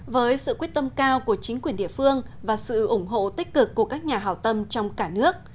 với sự quyết tâm cao của chính quyền địa phương và sự ủng hộ tích cực của các nhà hào tâm trong cả nước